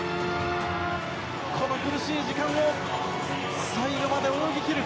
この苦しい時間を最後まで泳ぎ切る！